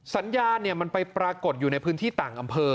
สัญญามันไปปรากฏอยู่ในพื้นที่ต่างอำเภอ